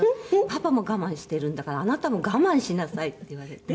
「パパも我慢しているんだからあなたも我慢しなさい」って言われて。